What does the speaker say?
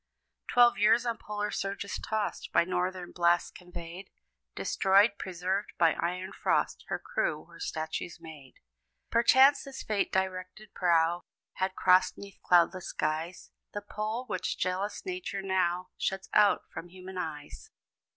Twelve years on polar surges tossed, By northern blasts conveyed Destroyed preserved, by iron frost, Her crew were statues made. Perchance this fate directed prow Had crossed 'neath cloudless skies The pole, which jealous Nature now Shuts out from human eyes.